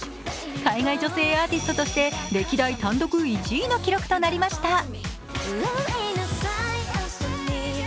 海外女性アーティストとして歴代単独１位の記録となりました。